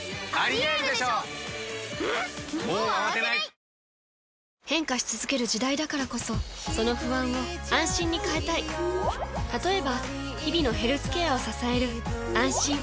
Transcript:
私とママはスゴく似てたり全然違ったり変化し続ける時代だからこそその不安を「あんしん」に変えたい例えば日々のヘルスケアを支える「あんしん」